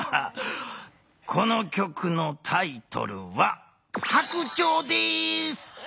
この曲のタイトルは「白鳥」です！